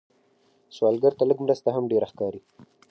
سوالګر ته لږ مرسته هم ډېره ښکاري